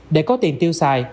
để có tiền tiêu xài